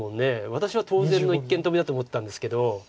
私は当然の一間トビだと思ったんですけど。